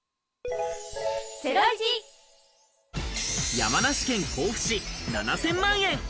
山梨県甲府市７０００万円！